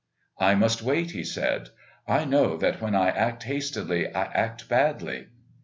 "I must wait," he said, "I know that when I act hastily I act badly...."